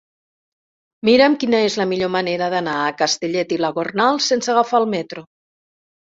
Mira'm quina és la millor manera d'anar a Castellet i la Gornal sense agafar el metro.